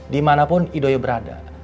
dimanapun ido berada